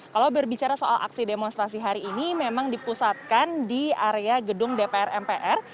kalau berbicara soal aksi demonstrasi hari ini memang dipusatkan di area gedung dpr mpr